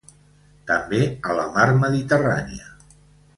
També a la Mar Mediterrània.